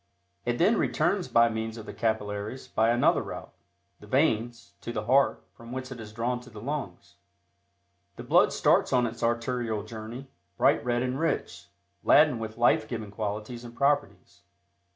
It then returns by means of the capillaries by another route, the veins, to the heart, from whence it is drawn to the lungs. The blood starts on its arterial journey, bright red and rich, laden with life giving qualities and properties.